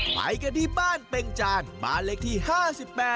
ไปกันที่บ้านเป็งจานบ้านเลขที่๕๘